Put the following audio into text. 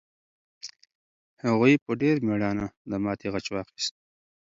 هغوی په ډېر مېړانه د ماتې غچ واخیست.